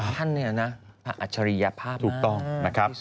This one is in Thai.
ท่านเนี่ยนะอัชรีภาพมาก